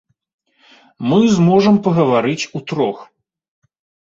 Мы зможам пагаварыць утрох.